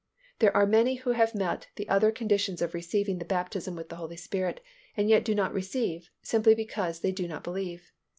There are many who have met the other conditions of receiving the baptism with the Holy Spirit and yet do not receive, simply because they do not believe.